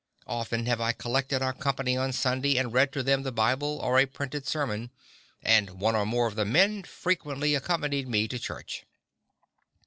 Often have I collected our company on Sunday and read to them the Bible or a printed sermon, and one or more of the men frequently accompanied me to church.